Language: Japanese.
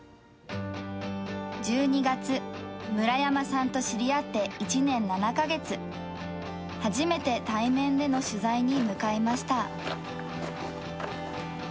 １２月、村山さんと知り合って１年７か月、初めて対面での取材に向かいました。